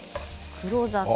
黒砂糖。